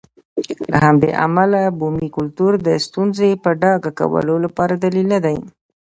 له همدې امله بومي کلتور د ستونزې په ډاګه کولو لپاره دلیل نه دی.